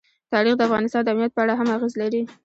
تاریخ د افغانستان د امنیت په اړه هم اغېز لري.